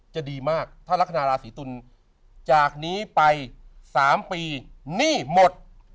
จะดีมากถ้ารักษณาราศีตุลจากนี้ไป๓ปีหนี้หมด